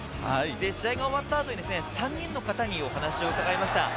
試合が終わったあと３人の方にお話を伺いました。